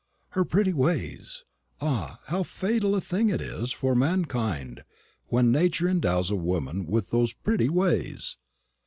Her "pretty ways!" ah, how fatal a thing it is for mankind when Nature endows woman with those pretty ways!